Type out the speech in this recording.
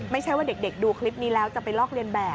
ไม่ใช่ว่าเด็กดูคลิปนี้แล้วจะไปลอกเรียนแบบ